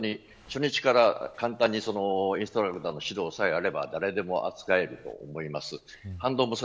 初日から簡単にインストラクターの指導さえあれば誰でも扱えると思います。